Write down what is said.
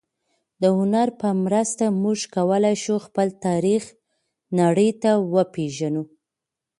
د هنر په مرسته موږ کولای شو خپل تاریخ نړۍ ته وپېژنو.